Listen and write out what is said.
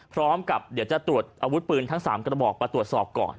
พร้อมกับเดี๋ยวจะตรวจอาวุธปืนทั้ง๓กระบอกมาตรวจสอบก่อน